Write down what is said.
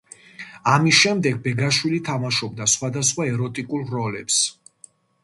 ამის შემდეგ ბეგაშვილი თამაშობდა სხვადასხვა ეროტიკულ როლებს.